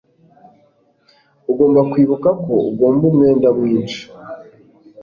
Ugomba kwibuka ko ugomba umwenda mwinshi